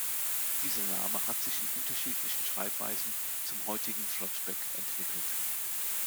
Dieser Name hat sich in unterschiedlichen Schreibweisen zum heutigen „Flottbek“ entwickelt.